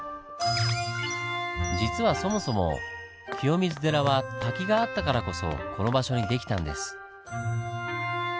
実はそもそも清水寺は滝があったからこそこの場所に出来たんです。